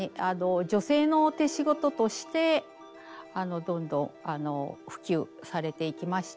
女性の手仕事としてどんどんあの普及されていきました。